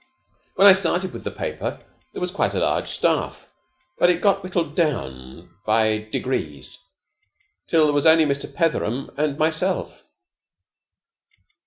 When I started with the paper, there was quite a large staff. But it got whittled down by degrees till there was only Mr. Petheram and myself.